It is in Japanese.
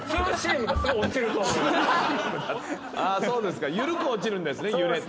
そうですか。